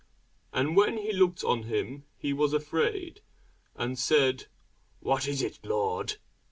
And when he looked on him, he was afraid, and said, What is it, Lord?